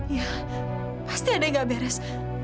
iya pasti ada yang nggak beres